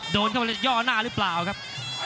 โดนเข้าไปย่อหน้าหรือเปล่าครับ